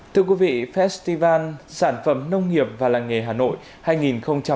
thưa quý vị festival sản phẩm nông nghiệp và làng nghề hà nội hai nghìn hai mươi hai